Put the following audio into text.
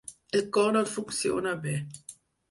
El cor no funciona bé.